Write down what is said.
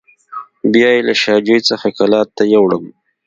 بیا یې له شا جوی څخه کلات ته یووړم.